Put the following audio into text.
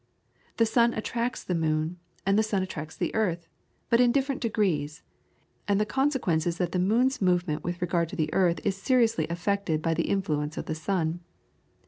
The sun attracts the moon, and the sun attracts the earth, but in different degrees, and the consequence is that the moon's movement with regard to the earth is seriously affected by the influence of the sun.